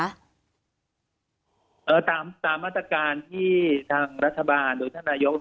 ตามมาตรการที่ทางรัฐบาลหรือท่านนายก